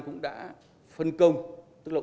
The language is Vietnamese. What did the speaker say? cũng đã phân công tức là